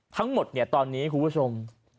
ทั้งหมดตอนนี้คุณผู้ชม